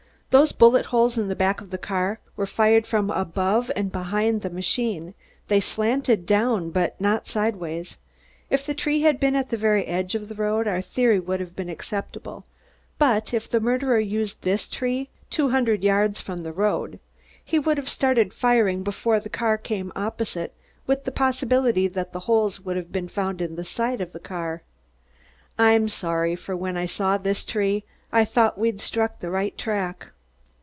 Those bullet holes in the back of the car were fired from above and behind the machine. They slanted down but not sidewise. If a tree had been at the very side of the road, our theory would be acceptable, but if the murderer used this tree, two hundred yards from the road, he would have started firing before the car came opposite, with the probability that the holes would have been found in the side of the car. I'm sorry, for when I saw this tree, I thought we'd struck the right track."